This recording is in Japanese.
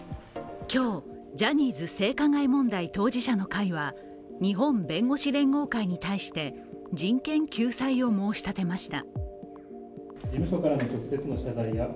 今日、ジャニーズ性加害問題当事者の会は日本弁護士連合会に対して人権救済を申し立てました。